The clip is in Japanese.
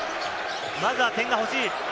まずは点が欲しい。